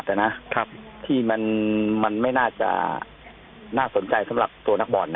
เรื่องของรายวัตรนะครับที่มันมันไม่น่าจะน่าสนใจสำหรับตัวนักบอลน่ะ